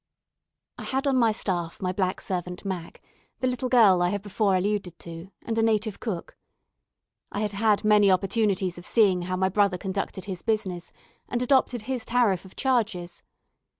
I had on my staff my black servant Mac, the little girl I have before alluded to, and a native cook. I had had many opportunities of seeing how my brother conducted his business; and adopted his tariff of charges.